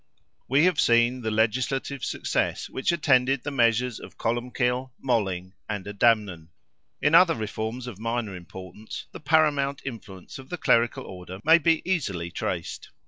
We have seen the legislative success which attended the measures of Columbkill, Moling, and Adamnan; in other reforms of minor importance the paramount influence of the clerical order may be easily traced.